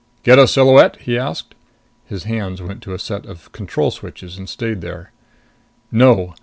"Get a silhouette?" he asked. His hands went to a set of control switches and stayed there. "No.